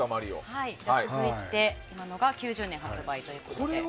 続いては９０年発売ということで。